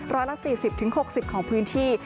ร้อยละ๔๐๖๐ของพื้นที่